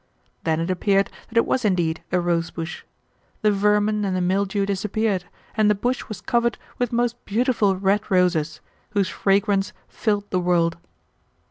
Then it appeared that it was indeed a rosebush. The vermin and the mildew disappeared, and the bush was covered with most beautiful red roses, whose fragrance filled the world.